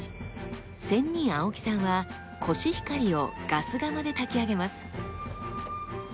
仙人青木さんはコシヒカリをガス釜で炊き上げます。